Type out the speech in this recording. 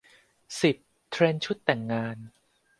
สิบ เทรนด์ชุดแต่งงาน